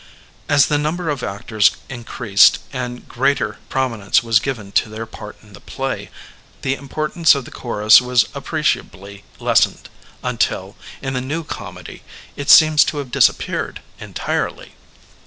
As the number of actors increased and greater prominence was given to their part in the play, the importance of the chorus was appreciably lessened, until, in the New Comedy, it seems to have disappeared entirely.